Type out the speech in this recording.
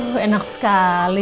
waduh enak sekali